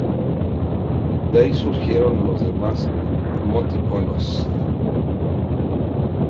De ahí surgieron los demás emoticonos.